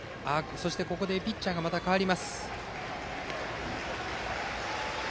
そして、ここでピッチャーがまた代わります。